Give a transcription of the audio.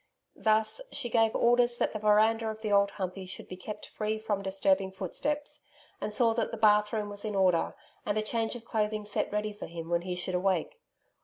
Thus, she gave orders that the veranda of the Old Humpey should be kept free from disturbing footsteps, and saw that the bathroom was in order, and a change of clothing set ready for him when he should awake.